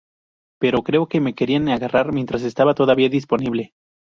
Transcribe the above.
Pero creo que me querían agarrar mientras estaba todavía disponible.